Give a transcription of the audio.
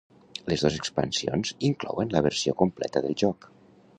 Les dos expansions inclouen la versió completa del joc.